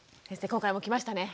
今回もきましたね。